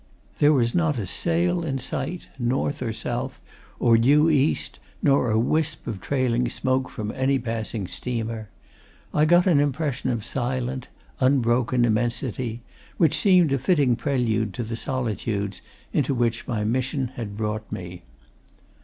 There was not a sail in sight, north or south or due east, nor a wisp of trailing smoke from any passing steamer: I got an impression of silent, unbroken immensity which seemed a fitting prelude to the solitudes into which my mission had brought me.